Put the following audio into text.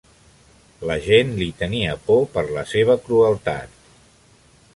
La gent li tenia por per la seva crueltat.